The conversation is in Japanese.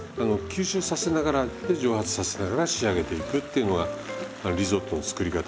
吸収させながらで蒸発させながら仕上げていくっていうのがリゾットの作り方。